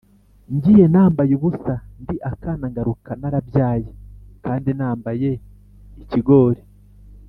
Ngiye nambaye ubusa ndi akana ngaruka narabyaye kandi nambaye-Ikigori.